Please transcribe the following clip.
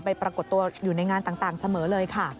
ปรากฏตัวอยู่ในงานต่างเสมอเลยค่ะ